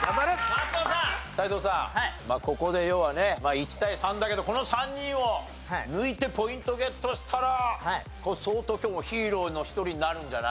１対３だけどこの３人を抜いてポイントゲットしたら相当今日もうヒーローの一人になるんじゃない？